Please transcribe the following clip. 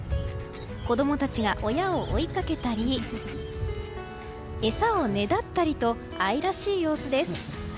子供たちが、親を追いかけたり、餌をねだったりと愛らしい様子です。